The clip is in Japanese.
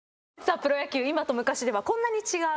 プロ野球今と昔ではこんなに違う。